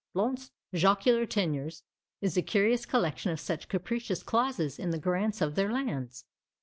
Blount's "Jocular Tenures" is a curious collection of such capricious clauses in the grants of their lands.